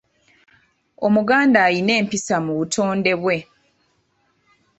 Omuganda ayina empisa mu butonde bwe.